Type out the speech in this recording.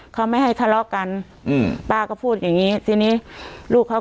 เขาไม่ให้ทะเลาะกันอืมป้าก็พูดอย่างงี้ทีนี้ลูกเขา